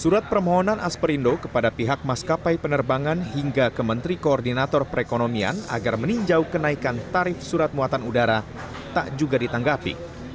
surat permohonan asperindo kepada pihak maskapai penerbangan hingga ke menteri koordinator perekonomian agar meninjau kenaikan tarif surat muatan udara tak juga ditanggapi